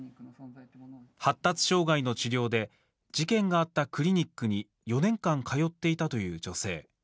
発達障害の治療で事件があったクリニックに４年間、通っていたという女性。